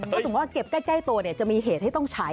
ถ้าสมมุติว่าเก็บใกล้ตัวจะมีเหตุให้ต้องใช้